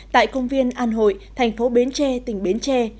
tại công viên an hội thành phố bến tre tỉnh bến tre